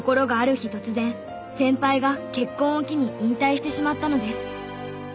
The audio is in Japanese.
日突然先輩が結婚を機に引退してしまったのです。